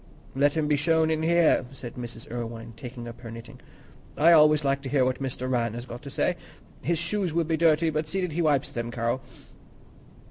"Let him be shown in here," said Mrs. Irwine, taking up her knitting. "I always like to hear what Mr. Rann has got to say. His shoes will be dirty, but see that he wipes them Carroll."